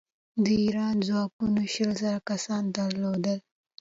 د ایران ځواکونو شل زره کسان درلودل.